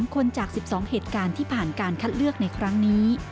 คนจาก๑๒เหตุการณ์ที่ผ่านการคัดเลือกในครั้งนี้